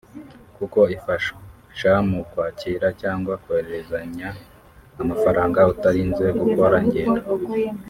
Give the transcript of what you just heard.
kuko ifasha mu kwakira cyangwa kohererezanya amafaranga utarinze gukora ingendo